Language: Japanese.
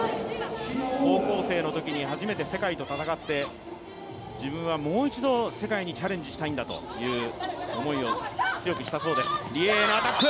高校生のときに初めて世界と戦って自分はもう一度世界にチャレンジしたいという思いを強くしたそうです。